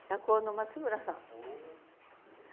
松村さん。